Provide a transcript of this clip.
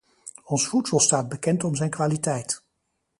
Ons voedsel staat bekend om zijn kwaliteit.